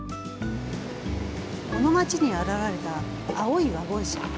このまちに現れた青いワゴン車。